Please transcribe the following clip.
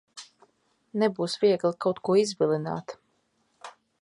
Nebūs viegli kaut ko izvilināt.